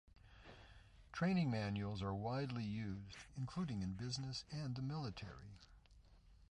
Training manuals are widely used, including in business and the military.